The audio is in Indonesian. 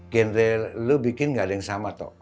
genre lo bikin gak ada yang sama toh